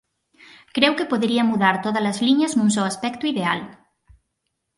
Creu que podería mudar tódalas liñas nun só aspecto ideal.